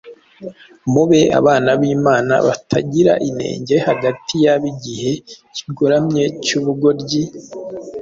mube abana b’Imana batagira inenge hagati y’ab’igihe kigoramye cy’ubugoryi,